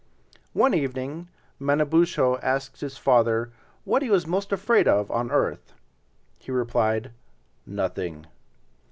One evening Manabozho asked his father what he was most afraid of on earth. He replied—"Nothing."